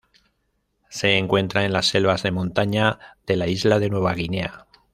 Se encuentra en las selvas de montaña de la isla de Nueva Guinea.